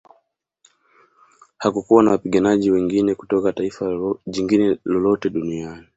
Hakukuwa na wapiganaji wengine kutoka taifa jingine lolote duniani